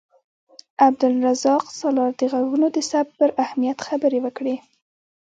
عبدالرزاق سالار د غږونو د ثبت پر اهمیت خبرې وکړې.